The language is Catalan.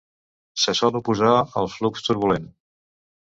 Se sol oposar al flux turbulent.